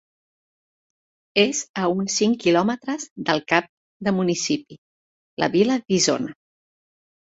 És a uns cinc quilòmetres del cap de municipi, la vila d'Isona.